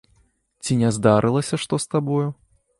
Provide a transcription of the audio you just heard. Ці не здарылася што з табою?